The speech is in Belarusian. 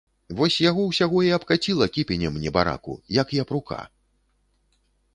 Вось яго ўсяго і абкаціла кіпенем, небараку, як япрука.